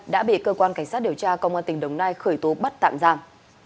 đã bị cơ quan cảnh sát điều tra công an tỉnh đồng nai khởi tố bắt tạm giam